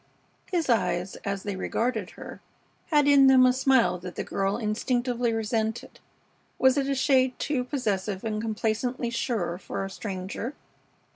His eyes, as they regarded her, had in them a smile that the girl instinctively resented. Was it a shade too possessive and complacently sure for a stranger?